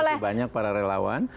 terima kasih banyak para relawan